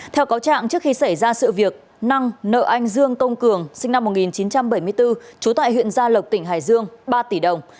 theo cáo trạng trước khi xảy ra sự việc năng nợ anh dương công cường sinh năm một nghìn chín trăm bảy mươi bốn trú tại huyện gia lộc tỉnh hải dương ba tỷ đồng